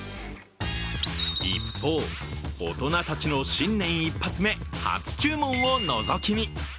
一方、大人たちの新年一発目、初注文をのぞき見！